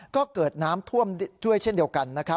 ก็เกิดน้ำท่วมด้วยเช่นเดียวกัน